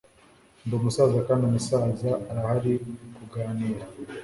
ndi umusaza, kandi umusaza arahari kuganira